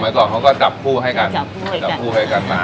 อ๋อสมัยต่อเขาก็จับผู้ให้กันจับผู้ให้กันจับผู้ให้กันมา